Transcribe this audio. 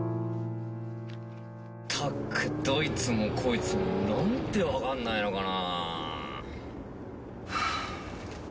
ったく、どいつもこいつもなんで分かんないのかな。